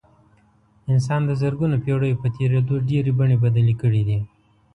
انسان د زرګونو پېړیو په تېرېدو ډېرې بڼې بدلې کړې دي.